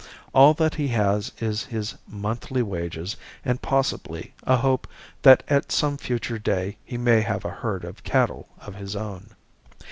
All that he has is his monthly wages, and, possibly, a hope that at some future day he may have a herd of cattle of his own.